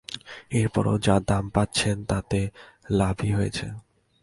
এরপরও যা দাম পাচ্ছেন, তাতে লাভই হয়েছে।